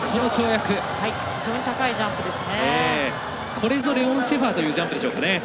これぞレオン・シェファーというジャンプでしょうか。